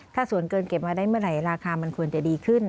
ถ้าสวนเกินเก็บมาได้เมื่อไหร่ราคามันควรจะดีขึ้น